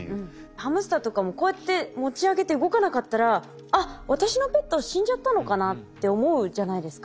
ハムスターとかもこうやって持ち上げて動かなかったら「あっ私のペット死んじゃったのかな」って思うじゃないですか。